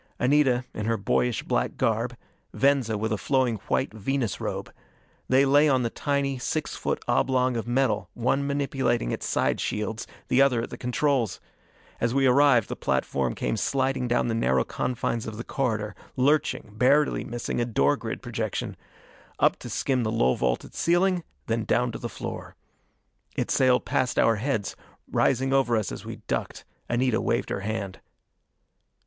Anita, in her boyish black garb; Venza with a flowing white Venus robe. They lay on the tiny, six foot oblong of metal, one manipulating its side shields, the other at the controls. As we arrived, the platform came sliding down the narrow confines of the corridor, lurching, barely missing a door grid projection. Up to skim the low vaulted ceiling, then down to the floor. It sailed past our heads, rising over us as we ducked. Anita waved her hand.